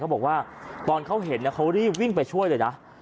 บอกว่าตอนเขาเห็นเขารีบวิ่งไปช่วยเลยนะ